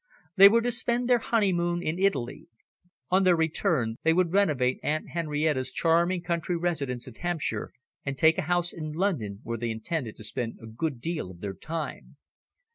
They were to spend their honeymoon in Italy. On their return, they would renovate Aunt Henrietta's charming country residence in Hampshire and take a house in London, where they intended to spend a good deal of their time.